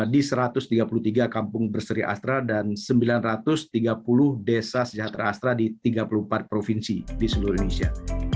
di satu ratus tiga puluh tiga kampung berseri astra dan sembilan ratus tiga puluh desa sejahtera astra di tiga puluh empat provinsi di seluruh indonesia